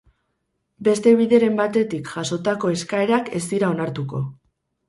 Beste bideren batetik jasotako eskaerak ez dira onartuko.